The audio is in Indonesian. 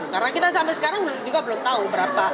karena kita sampai sekarang juga belum tahu berapa